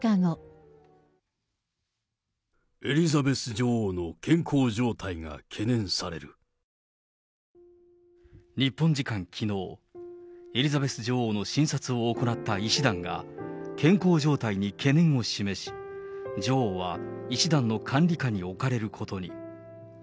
エリザベス女王の健康状態が日本時間きのう、エリザベス女王の診察を行った医師団が、健康状態に懸念を示し、女王は医師団の管理下に置かれることに。